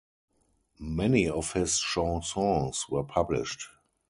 Many of his chansons were published.